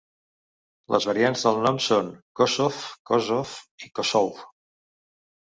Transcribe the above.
Les variants del nom són Kossov, Kosov i Kossow.